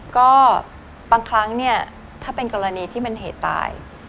ก็บางครั้งถ้าเป็นกรณีที่มันเหตุตาย